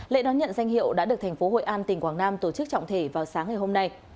lễ đón nhận danh hiệu đã được tp htn tổ chức trọng thể vào sáng ngày hôm nay